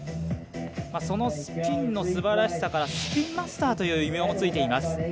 そのスピンのすばらしさからスピンマスターという異名もついています。